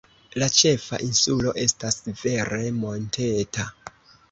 La ĉefa insulo estas vere monteta.